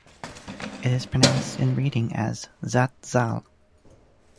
It is pronounced in reading as "zatzal".